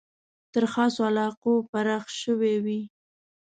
تر خاصو علاقو پراخ شوی وي.